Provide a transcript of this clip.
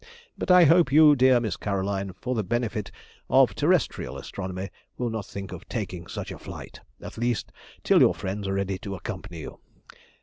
But I hope you, dear Miss Caroline, for the benefit of terrestrial astronomy, will not think of taking such a flight, at least till your friends are ready to accompany you.